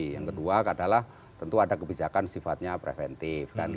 yang kedua adalah tentu ada kebijakan sifatnya preventif